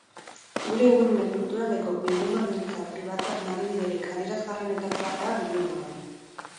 Gure ingurune kulturaleko bildumagintza pribatuaren adibiderik adierazgarrienetako bat da bilduma hori.